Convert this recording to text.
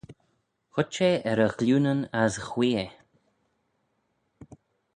Huit eh er e ghlioonyn, as ghuee eh.